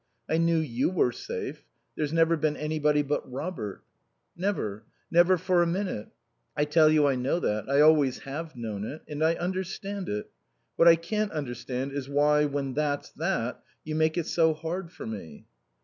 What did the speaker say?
I knew you were safe. There's never been anybody but Robert." "Never. Never for a minute." "I tell you I know that. I always have known it. And I understand it. What I can't understand is why, when that's that, you make it so hard for me."